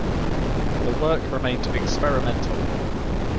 The work remained experimental.